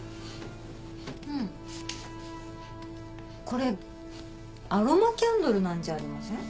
これアロマキャンドルなんじゃありません？